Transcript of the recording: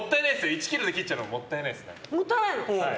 １ｋｇで切っちゃうのはもったいないの？